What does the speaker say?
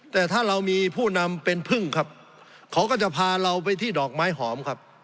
แต่ถ้าเรามีผู้นำเป็นพึ่งครับเขาก็จะพาเราไปที่ดอกไม้หอมครับ